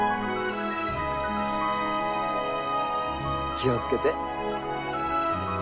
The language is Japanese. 気を付けて。